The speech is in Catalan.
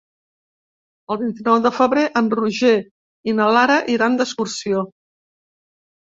El vint-i-nou de febrer en Roger i na Lara iran d'excursió.